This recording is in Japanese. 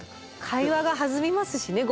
会話が弾みますしね